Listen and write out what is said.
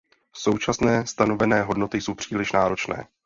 Současné stanovené hodnoty jsou příliš náročné.